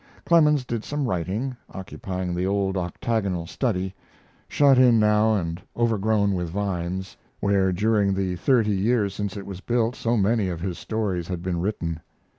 Clemens did some writing, occupying the old octagonal study shut in now and overgrown with vines where during the thirty years since it was built so many of his stories had been written.